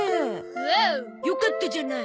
おおよかったじゃない。